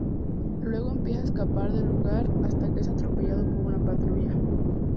Luego empieza a escapar del lugar hasta que es atropellado por una patrulla.